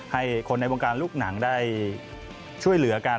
ให้คนในวงการลูกหนังได้ช่วยเหลือกัน